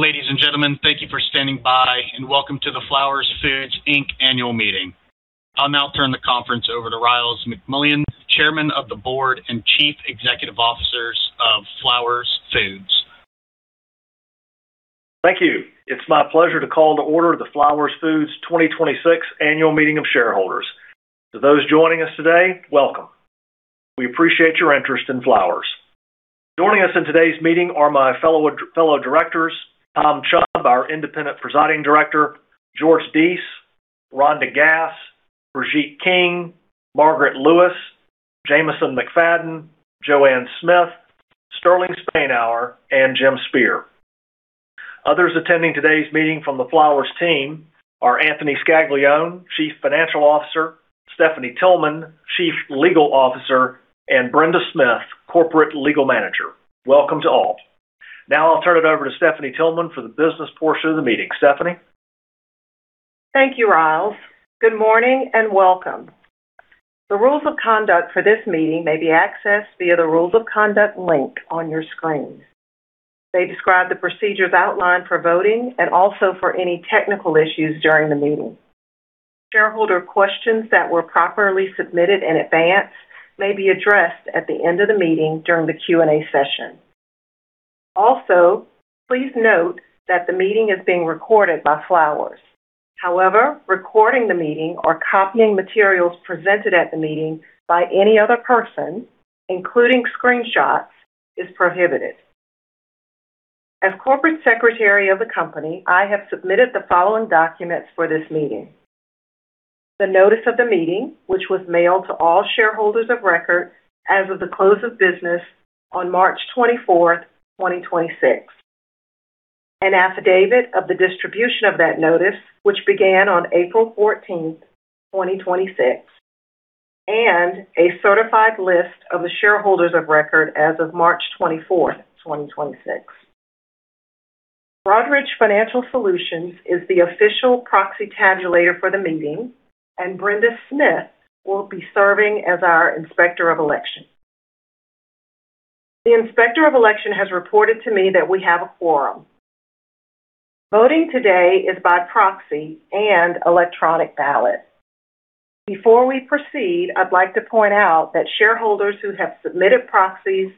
Ladies and gentlemen, thank you for standing by, and welcome to the Flowers Foods Inc. annual meeting. I'll now turn the conference over to Ryals McMullian, Chairman of the Board and Chief Executive Officer of Flowers Foods. Thank you. It's my pleasure to call to order the Flowers Foods 2026 annual meeting of shareholders. To those joining us today, welcome. We appreciate your interest in Flowers. Joining us in today's meeting are my fellow directors, Tom Chubb, our independent presiding director, George Deese, Rhonda Gass, Brigitte King, Margaret Lewis, Jameson McFadden, Joanne Smith, Sterling Spainhour, and Jim Spear. Others attending today's meeting from the Flowers team are Anthony Scaglione, Chief Financial Officer, Stephanie Tillman, Chief Legal Officer, and Brenda Smith, Corporate Legal Manager. Welcome to all. Now, I'll turn it over to Stephanie Tillman for the business portion of the meeting. Stephanie? Thank you, Ryals. Good morning and welcome. The rules of conduct for this meeting may be accessed via the rules of conduct link on your screen. They describe the procedures outlined for voting and also for any technical issues during the meeting. Shareholder questions that were properly submitted in advance may be addressed at the end of the meeting during the Q&A session. Please note that the meeting is being recorded by Flowers. However, recording the meeting or copying materials presented at the meeting by any other person, including screenshots, is prohibited. As corporate secretary of the company, I have submitted the following documents for this meeting: the notice of the meeting, which was mailed to all shareholders of record as of the close of business on March 24th, 2026, an affidavit of the distribution of that notice, which began on April 14th, 2026, and a certified list of the shareholders of record as of March 24th, 2026. Broadridge Financial Solutions is the official proxy tabulator for the meeting, and Brenda Smith will be serving as our Inspector of Election. The Inspector of Election has reported to me that we have a quorum. Voting today is by proxy and electronic ballot. Before we proceed, I'd like to point out that shareholders who have submitted proxies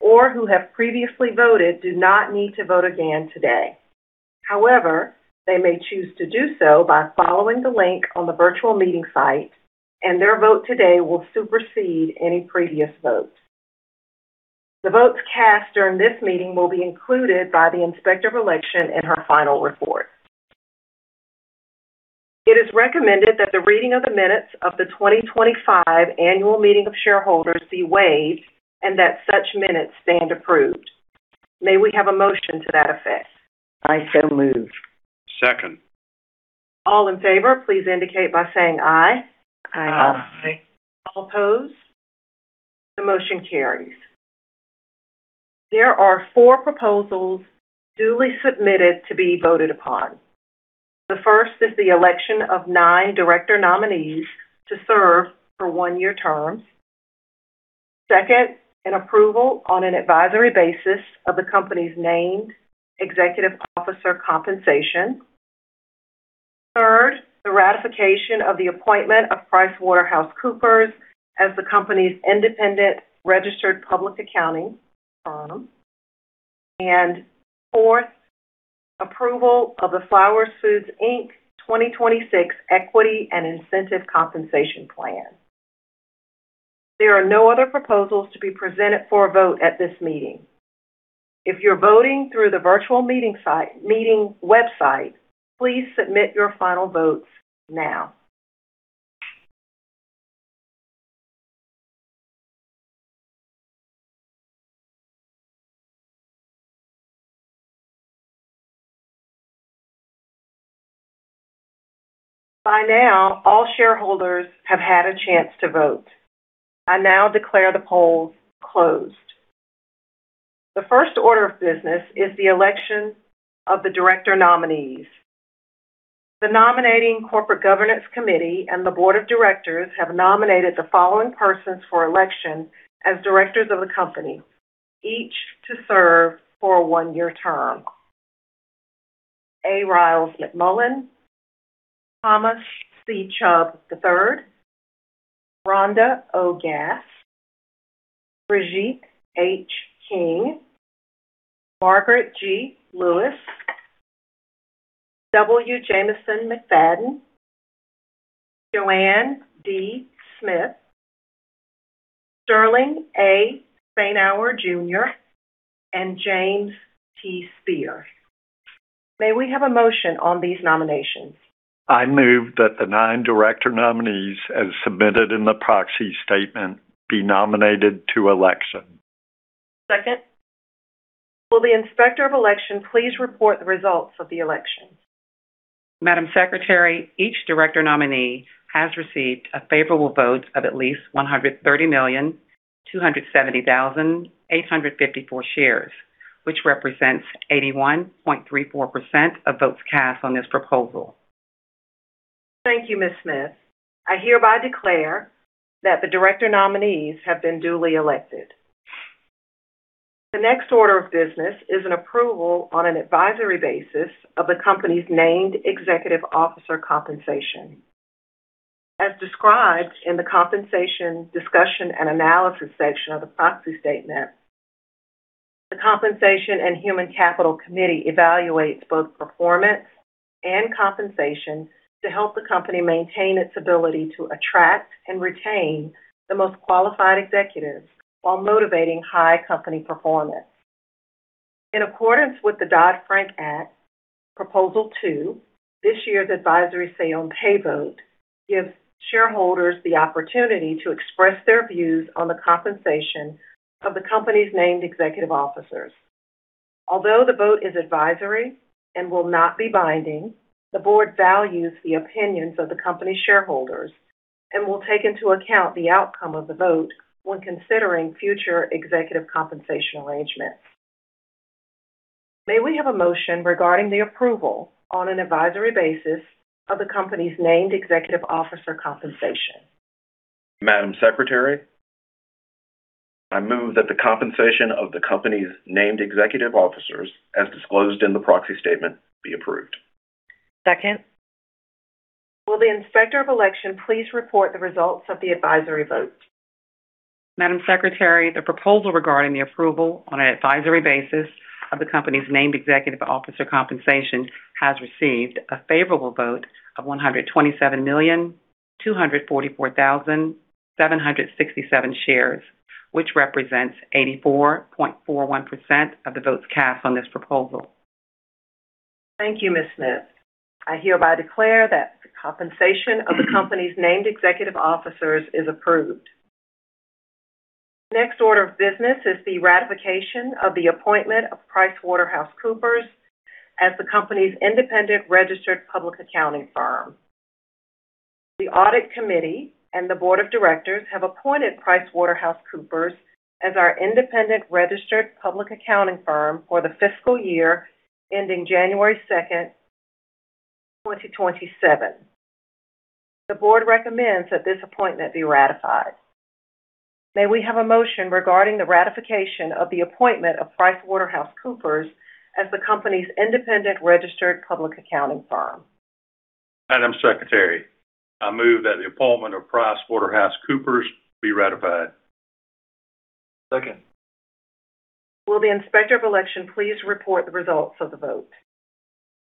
or who have previously voted do not need to vote again today. However, they may choose to do so by following the link on the virtual meeting site, and their vote today will supersede any previous votes. The votes cast during this meeting will be included by the Inspector of Election in her final report. It is recommended that the reading of the minutes of the 2025 annual meeting of shareholders be waived and that such minutes stand approved. May we have a motion to that effect? I so move. Second. All in favor, please indicate by saying aye. Aye. Aye. Aye. All opposed? The motion carries. There are four proposals duly submitted to be voted upon. The first is the election of nine director nominees to serve for one-year terms. Second, an approval on an advisory basis of the company's named executive officer compensation. Third, the ratification of the appointment of PricewaterhouseCoopers as the company's independent registered public accounting firm. Fourth, approval of the Flowers Foods, Inc. 2026 Equity and Incentive Compensation Plan. There are no other proposals to be presented for a vote at this meeting. If you're voting through the virtual meeting website, please submit your final votes now. By now, all shareholders have had a chance to vote. I now declare the polls closed. The first order of business is the election of the director nominees. The Nominating/Corporate Governance Committee and the board of directors have nominated the following persons for election as directors of the company, each to serve for a one-year term: A. Ryals McMullian, Thomas C. Chubb, III, Rhonda O. Gass, Brigitte H. King, Margaret G. Lewis, W. Jameson McFadden, Joanne D. Smith, Sterling A. Spainhour, Jr., and James T. Spear. May we have a motion on these nominations? I move that the nine director nominees, as submitted in the proxy statement, be nominated to election. Second. Will the Inspector of Election please report the results of the election? Madam Secretary, each director nominee has received a favorable vote of at least 130,270,854 shares, which represents 81.34% of votes cast on this proposal. Thank you, Ms. Smith. I hereby declare that the director nominees have been duly elected. The next order of business is an approval on an advisory basis of the company's named executive officer compensation. As described in the compensation discussion and analysis section of the proxy statement, the Compensation and Human Capital Committee evaluates both performance and compensation to help the company maintain its ability to attract and retain the most qualified executives while motivating high company performance. In accordance with the Dodd-Frank Act, Proposal 2, this year's advisory say on pay vote gives shareholders the opportunity to express their views on the compensation of the company's named executive officers. Although the vote is advisory and will not be binding, the board values the opinions of the company's shareholders and will take into account the outcome of the vote when considering future executive compensation arrangements. May we have a motion regarding the approval on an advisory basis of the company's named executive officer compensation? Madam Secretary, I move that the compensation of the company's named executive officers, as disclosed in the proxy statement, be approved. Second. Will the Inspector of Election please report the results of the advisory vote? Madam Secretary, the proposal regarding the approval on an advisory basis of the company's named executive officer compensation has received a favorable vote of 127,244,767 shares, which represents 84.41% of the votes cast on this proposal. Thank you, Ms. Smith. I hereby declare that the compensation of the company's named executive officers is approved. Next order of business is the ratification of the appointment of PricewaterhouseCoopers as the company's independent registered public accounting firm. The Audit committee and the Board of Directors have appointed PricewaterhouseCoopers as our independent registered public accounting firm for the fiscal year ending January 2nd, 2027. The board recommends that this appointment be ratified. May we have a motion regarding the ratification of the appointment of PricewaterhouseCoopers as the company's independent registered public accounting firm? Madam Secretary, I move that the appointment of PricewaterhouseCoopers be ratified. Second. Will the Inspector of Election please report the results of the vote?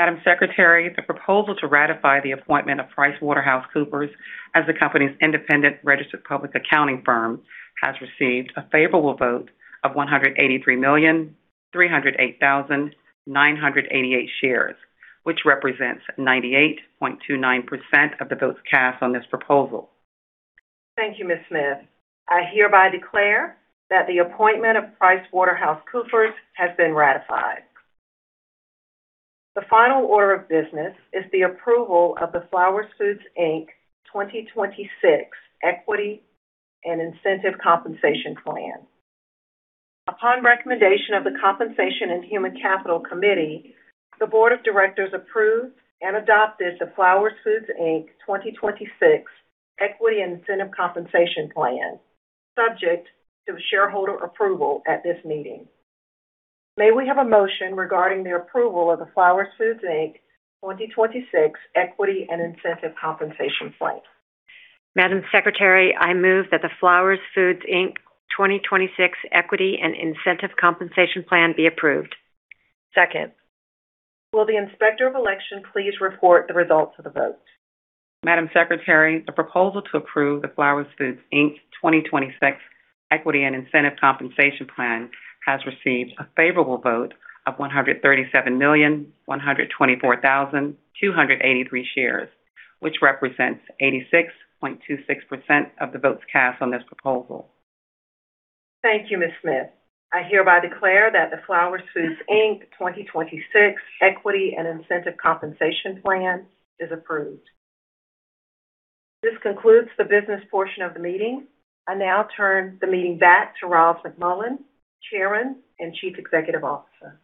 Madam Secretary, the proposal to ratify the appointment of PricewaterhouseCoopers as the company's independent registered public accounting firm has received a favorable vote of 183,308,988 shares, which represents 98.29% of the votes cast on this proposal. Thank you, Ms. Smith. I hereby declare that the appointment of PricewaterhouseCoopers has been ratified. The final order of business is the approval of the Flowers Foods, Inc. 2026 Equity and Incentive Compensation Plan. Upon recommendation of the Compensation and Human Capital Committee, the Board of Directors approved and adopted the Flowers Foods, Inc. 2026 Equity and Incentive Compensation Plan, subject to shareholder approval at this meeting. May we have a motion regarding the approval of the Flowers Foods, Inc. 2026 Equity and Incentive Compensation Plan? Madam Secretary, I move that the Flowers Foods, Inc. 2026 Equity and Incentive Compensation Plan be approved. Second. Will the Inspector of Election please report the results of the vote? Madam Secretary, the proposal to approve the Flowers Foods, Inc. 2026 Equity and Incentive Compensation Plan has received a favorable vote of 137,124,283 shares, which represents 86.26% of the votes cast on this proposal. Thank you, Ms. Smith. I hereby declare that the Flowers Foods, Inc. 2026 Equity and Incentive Compensation Plan is approved. This concludes the business portion of the meeting. I now turn the meeting back to Ryals McMullian, Chairman and Chief Executive Officer.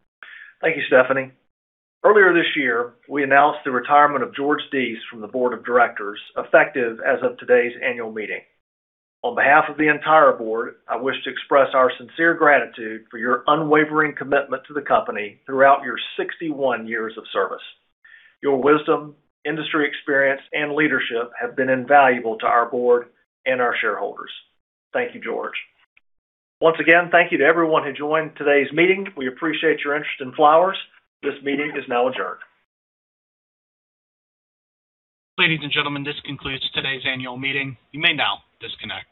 Thank you, Stephanie. Earlier this year, we announced the retirement of George Deese from the Board of Directors, effective as of today's annual meeting. On behalf of the entire board, I wish to express our sincere gratitude for your unwavering commitment to the company throughout your 61 years of service. Your wisdom, industry experience, and leadership have been invaluable to our board and our shareholders. Thank you, George. Once again, thank you to everyone who joined today's meeting. We appreciate your interest in Flowers. This meeting is now adjourned. Ladies and gentlemen, this concludes today's annual meeting. You may now disconnect.